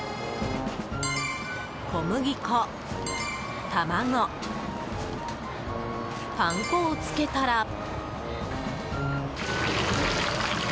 小麦粉、卵、パン粉をつけたら。